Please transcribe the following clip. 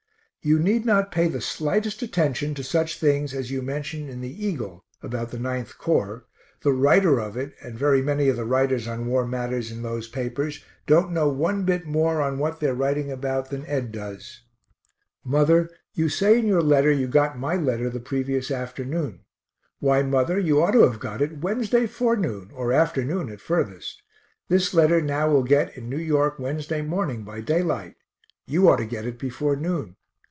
You need not pay the slightest attention to such things as you mention in the Eagle, about the 9th Corps the writer of it, and very many of the writers on war matters in those papers, don't know one bit more on what they are writing about than Ed does. Mother, you say in your letter you got my letter the previous afternoon. Why, mother, you ought to [have] got it Wednesday forenoon, or afternoon at furthest. This letter now will get in New York Wednesday morning, by daylight you ought to get it before noon.